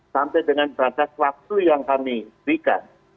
sampai dengan batas waktu yang kami berikan